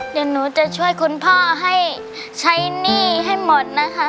เดี๋ยวหนูจะช่วยคุณพ่อให้ใช้หนี้ให้หมดนะคะ